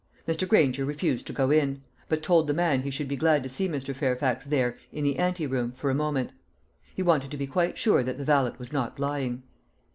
Mr. Granger refused to go in; but told the man he should be glad to see Mr. Fairfax there, in the ante room, for a moment. He wanted to be quite sure that the valet was not lying.